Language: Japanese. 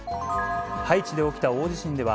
ハイチで起きた大地震では、